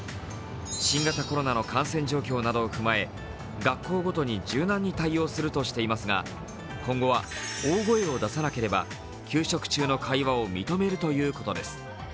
新型コロナの感染状況などを踏まえ、学校ごとに柔軟に対応するとしていますが、今後は大声を出さなければ給食中の会話を認めるということです。